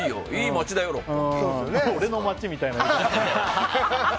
俺の街みたいな言い方。